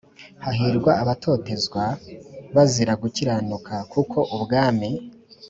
Hahirwa abatotezwa c bazira gukiranuka kuko ubwami